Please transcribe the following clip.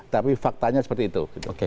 tapi faktanya seperti itu